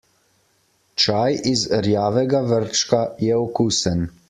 Čaj iz rjavega vrčka je okusen.